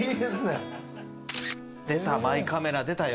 マイカメラ出たよ。